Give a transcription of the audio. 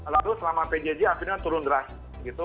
lalu selama pjj akhirnya turun drastis gitu